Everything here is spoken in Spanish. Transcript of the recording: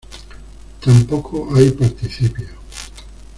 Tampoco hay participios.